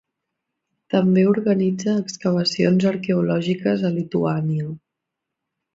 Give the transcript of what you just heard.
També organitza excavacions arqueològiques a Lituània.